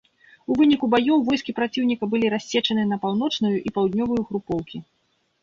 У выніку баёў войскі праціўніка былі рассечаны на паўночную і паўднёвую групоўкі.